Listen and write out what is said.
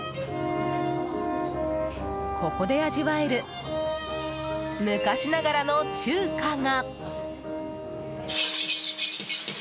ここで味わえる昔ながらの中華が。